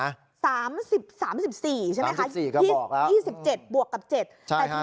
๓๔ใช่ไหมคะ๒๔บวกกับ๗ครับใช่ครับ